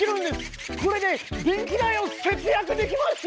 これで電気代を節約できますよ！